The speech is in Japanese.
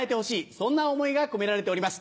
そんな思いが込められております。